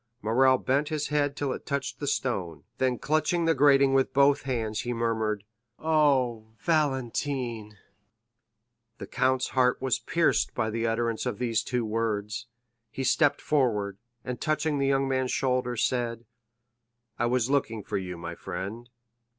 Morrel bent his head till it touched the stone, then clutching the grating with both hands, he murmured: "Oh, Valentine!" The count's heart was pierced by the utterance of these two words; he stepped forward, and touching the young man's shoulder, said: "I was looking for you, my friend."